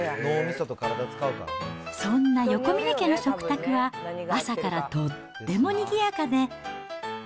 そんな横峯家の食卓は朝からとってもにぎやかで。